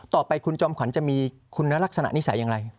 ต่อไปคุณจอมขวัญจะมีคุณลักษณะนิสัยอย่างไร